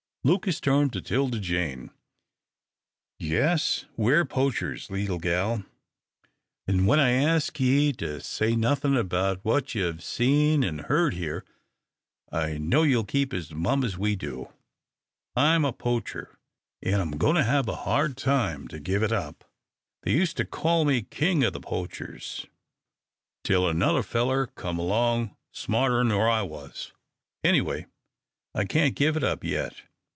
Lucas turned to 'Tilda Jane. "Yes, we're poachers, leetle gal, an' when I ask ye to say nothin' about what ye've seen an' heard here, I know ye'll keep as mum as we do. I'm a poacher, an' I'm goin' to hev a hard time to give it up. They used to call me king o' the poachers, till another feller come along smarter nor I was. Anyway, I can't give it up yet.